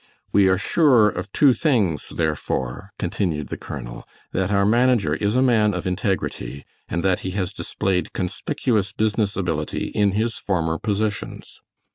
"We are sure of two things, therefore," continued the colonel, "that our manager is a man of integrity, and that he has displayed conspicuous business ability in his former positions."